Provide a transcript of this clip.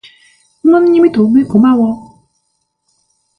부모님의 도움에 고마워